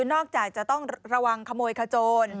นอกจากจะต้องระวังขโมยขโจร